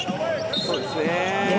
そうですね。